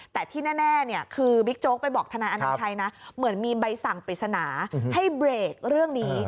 แต่ที่แน่คือบิ๊กโจ๊กไปบอกทนายอนัญชัยนะเหมือนมีใบสั่งปริศนาให้เบรกเรื่องนี้